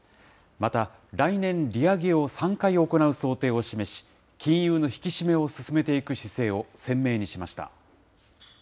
また来年、利上げを３回行う想定を示し、金融の引き締めを進めていく姿勢を鮮明にしました。